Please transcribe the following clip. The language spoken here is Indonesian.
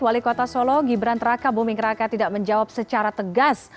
wali kota solo gibran traka buming raka tidak menjawab secara tegas